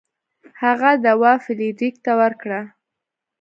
هغه دوا فلیریک ته ورکړه.